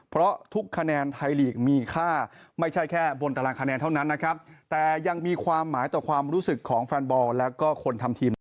เพราะทุกคะแนนไทยลีกมีค่าไม่ใช่แค่บนตารางคะแนนเท่านั้นนะครับแต่ยังมีความหมายต่อความรู้สึกของแฟนบอลแล้วก็คนทำทีม